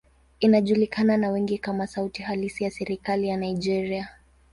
Inajulikana na wengi kama sauti halisi ya serikali ya Nigeria.